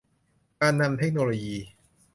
การนำเทคโนโลยี